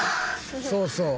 そうそう。